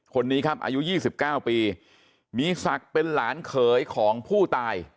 คนนี้ครับอายุ๒๙ปีมีศักดิ์เป็นหลานเขยของผู้ตาย